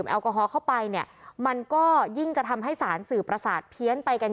แอลกอฮอลเข้าไปเนี่ยมันก็ยิ่งจะทำให้สารสื่อประสาทเพี้ยนไปกัน